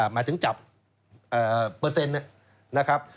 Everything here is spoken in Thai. หมายถึงจับเปอร์เซ็นต์นะครับ